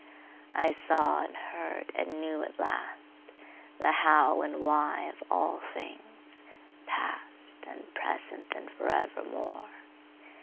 I saw and heard and knew at lastThe How and Why of all things, past, And present, and forevermore.